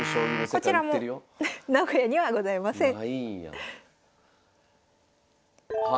こちら名古屋にはございません。